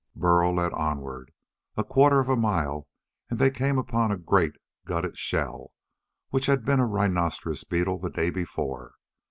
Burl led onward. A quarter of a mile and they came upon a great, gutted shell which had been a rhinoceros beetle the day before.